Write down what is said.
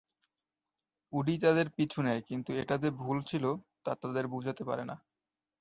Woody তাদের পিছু নেয় কিন্তু এটা যে ভুল ছিল তা তাদের বুঝাতে পারে না।